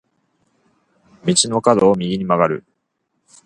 道の角を右に曲がる。